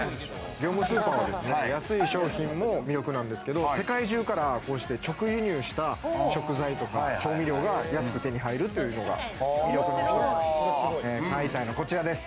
業務スーパーは安い商品も魅力なんですけど、世界中からこうして直輸入した食材とか調味料が安く手に入るというのが魅力の一つなんです。